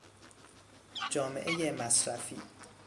جامعهی مصرفی